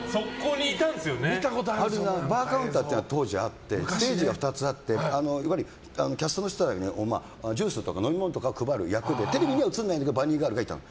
当時バーカウンターがあってステージが２つあってキャストの人にジュースとかを配る役でテレビには映らないんだけどバニーガールがいたの。